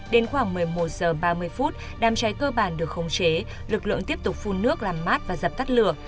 đến khoảng một mươi một h ba mươi phút đám cháy cơ bản được khống chế lực lượng tiếp tục phun nước làm mát và dập tắt lửa